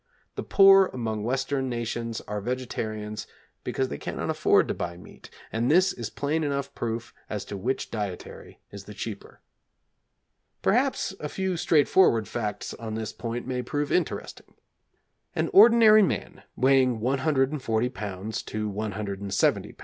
The poor among Western nations are vegetarians because they cannot afford to buy meat, and this is plain enough proof as to which dietary is the cheaper. Perhaps a few straightforward facts on this point may prove interesting. An ordinary man, weighing 140 lbs. to 170 lbs.